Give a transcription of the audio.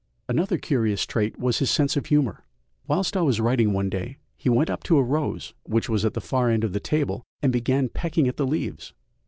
Another curious trait was his sense of humour. Whilst I was writing one day he went up to a rose, which was at the far end of the table, and began pecking at the leaves.